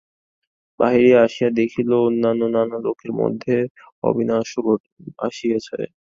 বাহিরে আসিয়া দেখিল, অন্যান্য নানা লোকের মধ্যে অবিনাশও আসিয়াছে।